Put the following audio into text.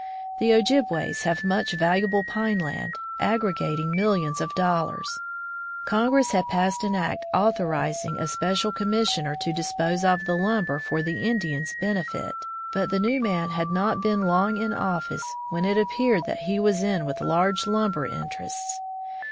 The Ojibways have much valu able pine land, aggr^ating millions of dollars. Congress had passed an act authorizing a special commissioner to dispose of the lumber for the Indians' benefit, but the new man had not been long in office when it appeared that he was in with large lumber interests.